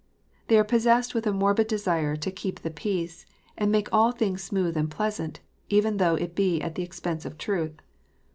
They are possessed with a morbid desire to keep the peace, and make all things smooth and pleasant, even though it be at the expense of truth.